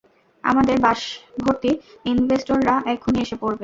আমাদের বাসভর্তি ইনভেস্টররা এক্ষুনি এসে পড়বে।